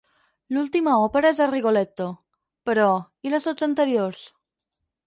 L'última òpera és el "Rigoletto", però ¿i les dotze anteriors?